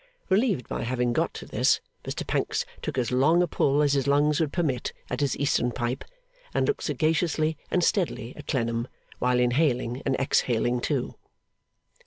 Relieved by having got to this, Mr Pancks took as long a pull as his lungs would permit at his Eastern pipe, and looked sagaciously and steadily at Clennam while inhaling and exhaling too.